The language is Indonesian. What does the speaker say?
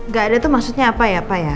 gak ada itu maksudnya apa ya pak ya